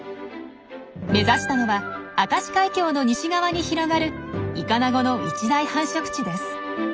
目指したのは明石海峡の西側に広がるイカナゴの一大繁殖地です。